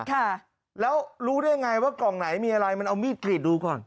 ค่ะแล้วรู้ได้ไงว่ากล่องไหนมีอะไรมันเอามีดกรีดดูก่อน